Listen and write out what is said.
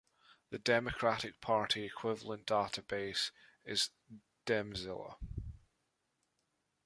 The Democratic Party equivalent database is Demzilla.